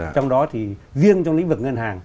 trong đó thì riêng trong lĩnh vực ngân hàng